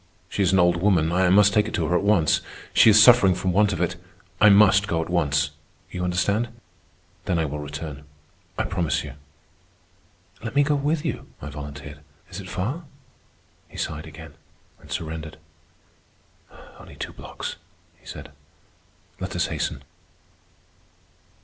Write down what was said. She is an old woman. I must take it to her at once. She is suffering from want of it. I must go at once. You understand. Then I will return. I promise you." "Let me go with you," I volunteered. "Is it far?" He sighed again, and surrendered. "Only two blocks," he said. "Let us hasten."